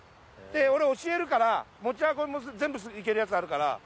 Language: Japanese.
教えるから持ち運びも全部いけるやつあるから。